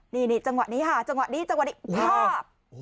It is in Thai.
นี่จังหวะนี้ค่ะจังหวะนี้จังหวะนี้ภาพ